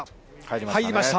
入りました。